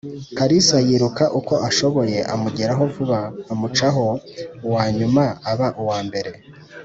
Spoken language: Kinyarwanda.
Kalisa yiruka uko ashoboye, amugeraho vuba, amucaho: uwa nyuma aba uwa mbere